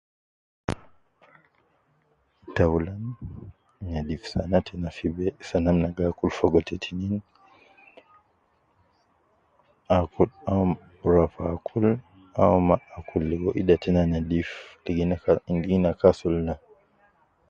Taulan nedif sokolna tena fi be, sana ab na gi akul fogo, te tinin akul au rua fi akul au ma akul ligo ida tena nedif ligo ina ,ligo ina kasul ida